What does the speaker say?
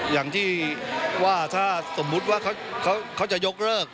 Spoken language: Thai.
อย่างที่ว่าถ้าสมมุติว่าเขาจะยกเลิก